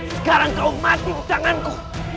sekarang kau mati di tanganku